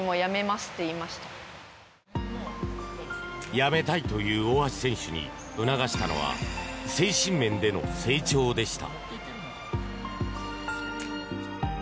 やめたいという大橋選手に促したのは精神面での成長でした。